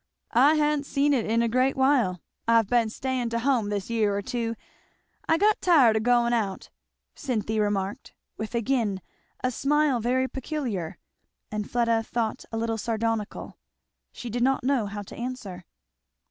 "I hain't seen it in a great while. I've been staying to hum this year or two. I got tired o' going out," Cynthy remarked, with again a smile very peculiar and Fleda thought a little sardonical. She did not know how to answer.